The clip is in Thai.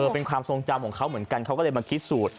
เป็นความทรงจำของเขาเหมือนกันเขาก็เลยมาคิดสูตร